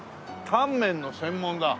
タンメンの専門だ。